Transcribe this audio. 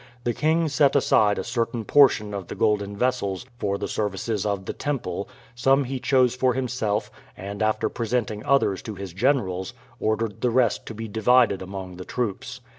The king set aside a certain portion of the golden vessels for the services of the Temple, some he chose for himself, and after presenting others to his generals, ordered the rest to be divided among the troops.